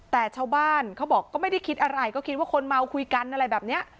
แต่ชาวบ้านเขาบอกก็ไม่ได้คิดอะไรก็คิดว่าคนเมาคุยกันอะไรแบบนี้